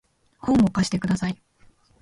本を貸してください